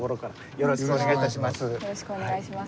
よろしくお願いします。